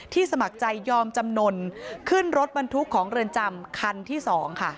สมัครใจยอมจำนวนขึ้นรถบรรทุกของเรือนจำคันที่๒ค่ะ